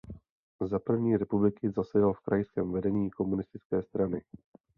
Za první republiky zasedal v krajském vedení komunistické strany.